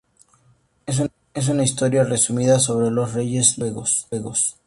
Es una historia resumida sobre los reyes noruegos.